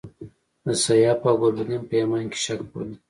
د سیاف او ګلبدین په ایمان کې شک بولم.